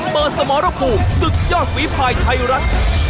เปิดสมรภูมิศึกยอดฝีภายไทรัต